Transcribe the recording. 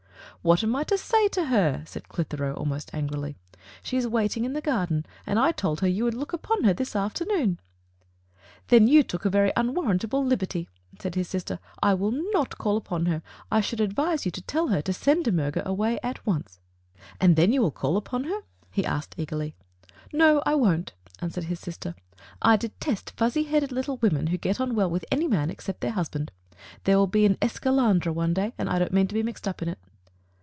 "What am I to say to her?" said Qitheroe, almost angrily. "She is waiting in the garden. I told her that you would call upon her this afternoon." "Then you took a very unwarrantable liberty," said his sister. "I will not call upon her. I should advise you to tell her to send De MOrger away at once." Digitized by Google F. C. PHJLUPS. 67 "And then will you call upon her?" he asked eagerly. " No, I won't," answered his sister. "I detest fuzzy headed little women who get on well with any man except their husband. There will be an esclandre one day, and I don't mean to be mixed up in it."